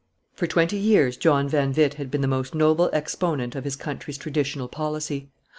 For twenty years John van Witt had, been the most noble exponent of his country's traditional policy.